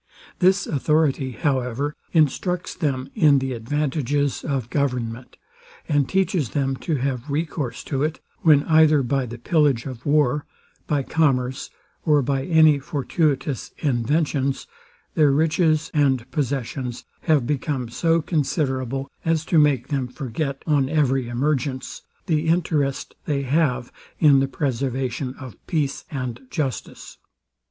This authority, however, instructs them in the advantages of government, and teaches them to have recourse to it, when either by the pillage of war, by commerce, or by any fortuitous inventions, their riches and possessions have become so considerable as to make them forget, on every emergence, the interest they have in the preservation of peace and justice.